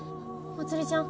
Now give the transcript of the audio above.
まつりちゃん？